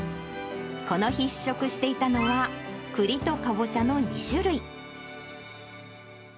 この日、試食していたのは栗とかぼちゃの２種類。